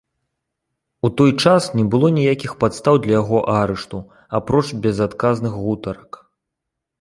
У той час не было ніякіх падстаў для яго арышту, апроч безадказных гутарак.